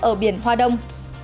ở biển hoa đông